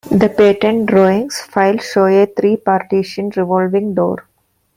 The patent drawings filed show a three-partition revolving door.